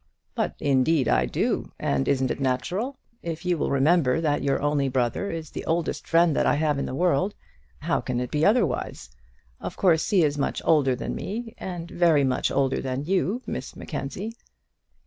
"But indeed I do, and isn't it natural? If you will remember that your only brother is the oldest friend that I have in the world, how can it be otherwise? Of course he is much older than me, and very much older than you, Miss Mackenzie."